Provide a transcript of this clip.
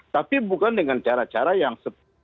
tapi bukan dengan cara cara yang